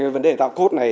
vấn đề tạo cốt này